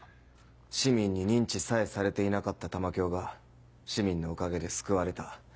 市民に認知さえされていなかった玉響が市民のおかげで救われた。